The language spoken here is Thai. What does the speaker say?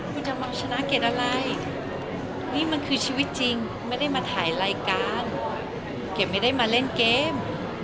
คุณจะเอาชนะเกดอะไรนี่มันคือชีวิตจริงไม่ได้มาถ่ายรายการเกดไม่ได้มาเล่นเกม